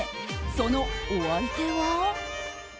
そのお相手は。